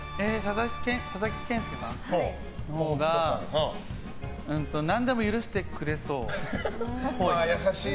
佐々木健介さんのほうが何でも許してくれそうっぽい。